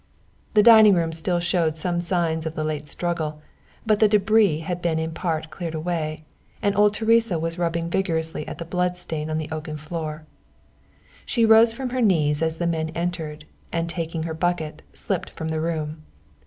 The dining room still showed some signs of the late struggle, but the débris had been in part cleared away, and old Teresa was rubbing vigorously at the blood stain on the oaken floor. She rose from her knees as the men entered, and taking her bucket, slipped from the room.